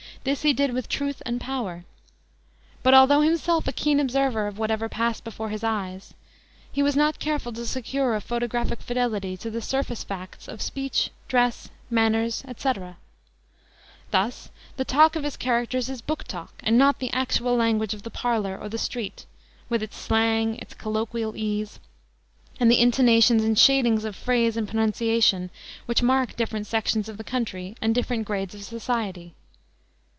This he did with truth and power; but, although himself a keen observer of whatever passed before his eyes, he was not careful to secure a photographic fidelity to the surface facts of speech, dress, manners, etc. Thus the talk of his characters is book talk, and not the actual language of the parlor or the street, with its slang, its colloquial ease and the intonations and shadings of phrase and pronunciation which mark different sections of the country and different grades of society.